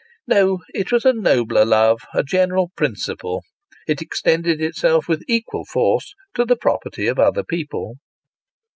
No ; it was a nobler love a general principle. It extended itself with equal force to the property of other people.